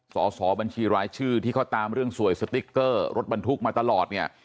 สอบบัญชีรายชื่อที่เขาตามเรื่องสวยสติ๊กเกอร์รถบรรทุกมาตลอดเนี่ย